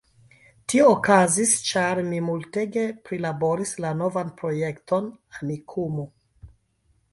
Tio okazis ĉar mi multege prilaboris la novan projekton, "Amikumu"